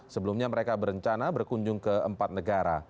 sebelumnya mereka berencana berkunjung ke empat negara